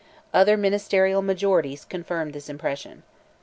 Other ministerial majorities confirmed this impression.